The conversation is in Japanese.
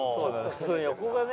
横がね